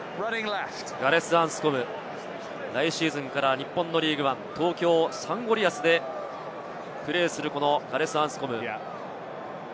ガレス・アンスコム、来シーズンから日本のリーグワン、東京サンゴリアスでプレーする、ガレス・アンスコム。